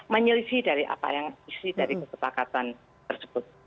menyelisih dari apa yang isi dari kesepakatan tersebut